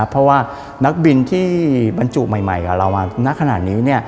เพราะว่านักบินที่บรรจุใหม่กับเรามาณขนาดนี้